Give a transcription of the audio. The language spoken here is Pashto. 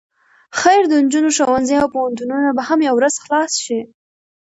خير د نجونو ښوونځي او پوهنتونونه به هم يوه ورځ خلاص شي.